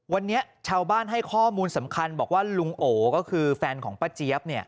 วันนี้ชาวบ้านให้ข้อมูลสำคัญบอกว่าลุงโอก็คือแฟนของป้าเจี๊ยบ